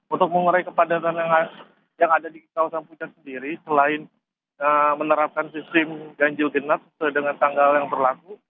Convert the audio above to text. untuk mengurai kepadatan yang ada di kawasan puncak sendiri selain menerapkan sistem ganjil genap sesuai dengan tanggal yang berlaku